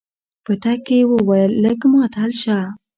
په تګ کې يې وويل لږ ماتل شه.